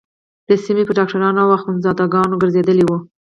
د سيمې پر ډاکترانو او اخوندزاده گانو گرځېدلې وه.